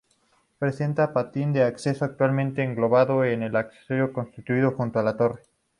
Presenta patín de acceso, actualmente englobado en el caserío construido junto a la torre.